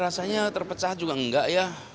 rasanya terpecah juga enggak ya